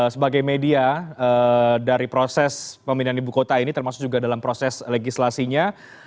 sebagai media dari proses pemindahan ibu kota ini termasuk juga dalam proses legislasinya